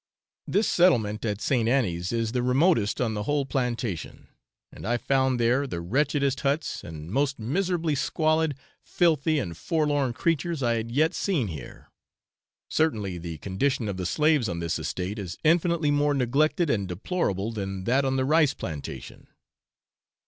This settlement at St. Annie's is the remotest on the whole plantation, and I found there the wretchedest huts, and most miserably squalid, filthy and forlorn creatures I had yet seen here certainly the condition of the slaves on this estate is infinitely more neglected and deplorable than that on the rice plantation.